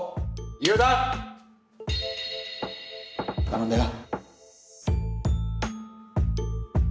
頼んだよ。